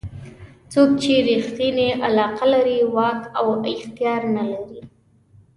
څوک چې ریښتونې علاقه لري واک او اختیار نه لري.